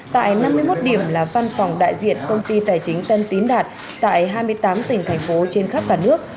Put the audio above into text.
tại năm mươi một điểm là văn phòng đại diện công ty tài chính tân tín đạt tại hai mươi tám tỉnh thành phố trên khắp cả nước